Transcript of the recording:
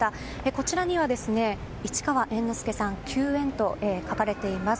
こちらには市川猿之助さん休演と書かれています。